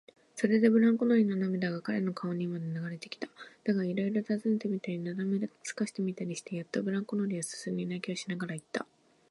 それでブランコ乗りの涙が彼の顔にまで流れてきた。だが、いろいろたずねてみたり、なだめすかしてみたりしてやっと、ブランコ乗りはすすり泣きしながらいった。